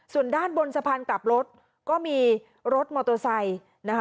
ส่วนด้านบนสะพานกลับรถก็มีรถมอเตอร์ไซค์นะคะ